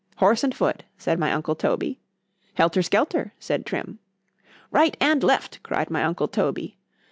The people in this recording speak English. _——Horse and foot, said my uncle Toby.——Helter Skelter, said Trim.——Right and left, cried my uncle _Toby.